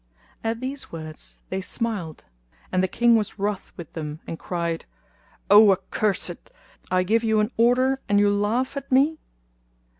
At these words they smiled and the King was wroth with them and cried, "O accursed! I give you an order and you laugh at me?"